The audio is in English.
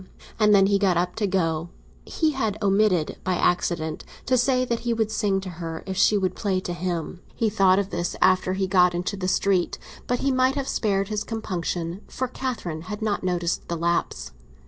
And then he got up to go; he had omitted, by accident, to say that he would sing to her if she would play to him. He thought of this after he got into the street; but he might have spared his compunction, for Catherine had not noticed the lapse.